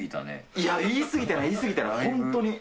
いや、言い過ぎてない、言い過ぎてない、本当に。